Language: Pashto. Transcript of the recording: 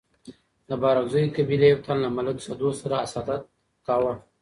د بارکزيو قبيلي يو تن له ملک سدو سره حسادت کاوه.